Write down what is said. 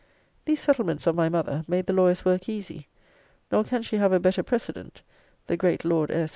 These settlements of my mother made the lawyer's work easy; nor can she have a better precedent; the great Lord S.